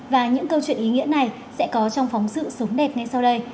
và những câu chuyện ý nghĩa này sẽ có trong phóng sự sống đẹp ngay sau đây